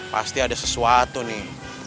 pasti ada sesuatu nih